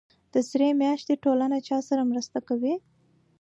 د سرې میاشتې ټولنه چا سره مرسته کوي؟